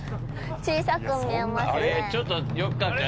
⁉小さく見えますね。